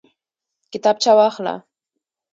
کتابچه واخله